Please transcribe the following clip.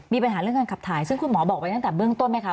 มีปัญหาเรื่องการขับถ่ายซึ่งคุณหมอบอกไว้ตั้งแต่เบื้องต้นไหมคะ